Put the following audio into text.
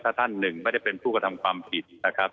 ถ้าท่านหนึ่งไม่ได้เป็นผู้กระทำความผิดนะครับ